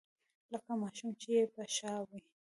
لکه ماشوم چې يې په شا وي.